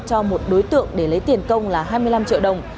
cho một đối tượng để lấy tiền công là hai mươi năm triệu đồng